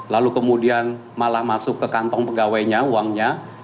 lalu kemudian malah masuk ke kantong pegawainya uangnya